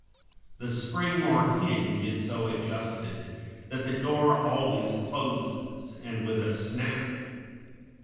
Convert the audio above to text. The spring or hinge is so adjusted that the door always closes, and with a snap.